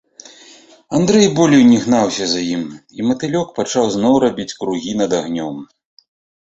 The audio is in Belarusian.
Андрэй болей не гнаўся за ім, і матылёк пачаў зноў рабіць кругі над агнём.